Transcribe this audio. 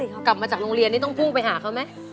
เขากลับมาจากโรงเรียนนี่ต้องพุ่งไปหาเขาไหม